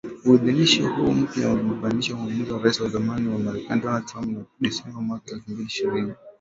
Uidhinishaji huo mpya unabatilisha uamuzi wa Rais wa zamani wa Marekani Donald Trump wa Disemba mwaka elfu mbili ishirini